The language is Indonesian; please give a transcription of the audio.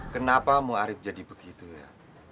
kenapa muarif jadi begitu ya